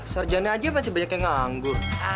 sarjana aja pasti banyak yang nganggu